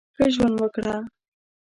ښه ژوند وکړه !